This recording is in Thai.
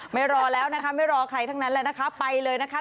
รอแล้วนะคะไม่รอใครทั้งนั้นแล้วนะคะไปเลยนะคะ